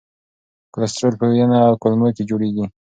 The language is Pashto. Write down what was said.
کلسترول په ینه او کولمو کې جوړېږي.